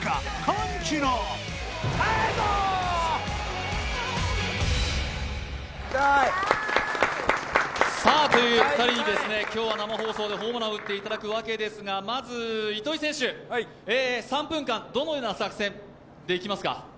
歓喜のという２人に今日は生放送でホームランを打っていただくわけですが、まず糸井選手、３分間どのような作戦でいきますか？